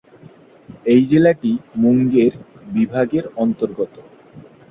এই জেলাটি মুঙ্গের বিভাগের অন্তর্গত।